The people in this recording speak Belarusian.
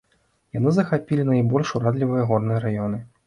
Яны захапілі найбольш урадлівыя горныя раёны.